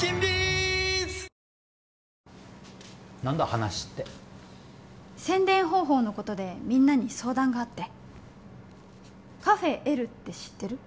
話って宣伝方法のことでみんなに相談があって「カフェエル」って知ってる？